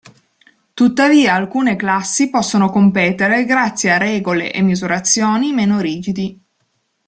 Tuttavia alcune classi possono competere grazie a regole e misurazioni meno rigidi.